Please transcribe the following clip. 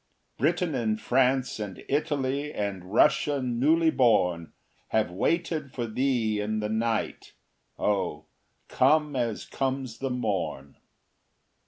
Britain, and France, and Italy, and Russia newly born, Have waited for thee in the night. Oh, come as comes the morn!